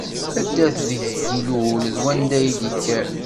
Taddart deg d-ilul d wanda d-yekker.